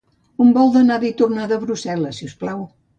Un vol d'anada i tornada a Brussel·les, si us plau.